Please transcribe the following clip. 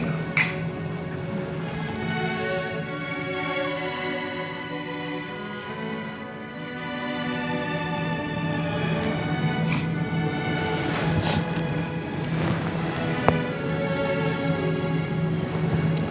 ya dipinum dulu